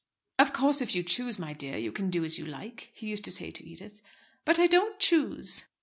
"Of course, if you choose, my dear, you can do as you like," he used to say to Edith. "But I don't choose."